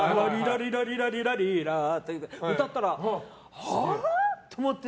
ラリラリラリーラって歌ったらあら？って思って。